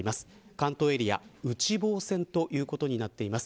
関東エリア、内房線ということになっています。